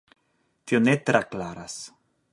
Tio ne tre klaras.